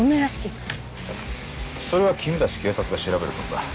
それは君たち警察が調べることだ